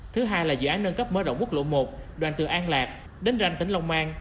thứ hai là dự án nâng cấp mở rộng quốc lộ một đoàn từ an lạc đến ranh tỉnh long an